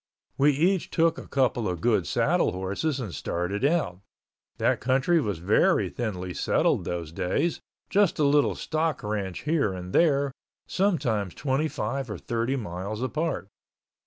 We each took a couple of good saddle horses and started out. That country was very thinly settled those days, just a little stock ranch here and there, sometimes twenty five or thirty miles apart.